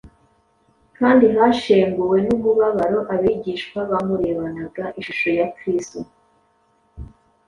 kandi hashenguwe n’umubabaro, abigishwa bamurebanaga ishusho ya Kristo